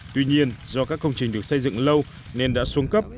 tuy nhiên do các công trình được xây dựng lâu nên đã xuống cấp